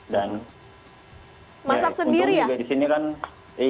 masak sendiri ya